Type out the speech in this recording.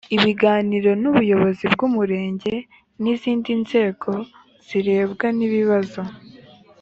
ibiganiro n ubuyobozi bw umurenge n izindi nzego zirebwa n ibibazo